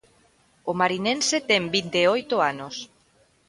O marinense ten vinte e oito anos.